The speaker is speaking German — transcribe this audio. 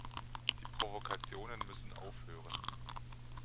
Die Provokationen müssen aufhören.